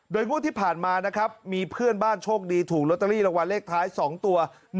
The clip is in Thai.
งวดที่ผ่านมานะครับมีเพื่อนบ้านโชคดีถูกลอตเตอรี่รางวัลเลขท้าย๒ตัว